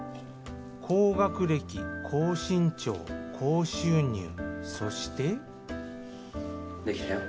高学歴高身長高収入そしてできたよ。